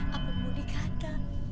apa mau dikata